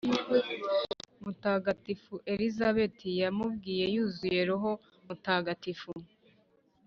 mutagatifu elizabeti yamubwiye, yuzuye roho mutagatifu